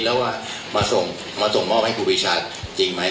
แล้วมาส่งมอบให้ครูพิชาจริงไหม